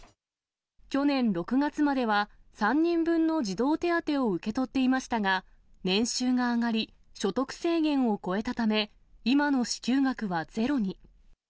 去年６月までは３人分の児童手当を受け取っていましたが、年収が上がり、所得制限を超えたため、今の支給額はゼロに。